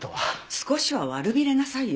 少しは悪びれなさいよ。